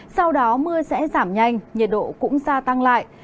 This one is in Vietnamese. sau đó mưa sẽ giảm nhanh nhiệt độ cũng gia tăng lại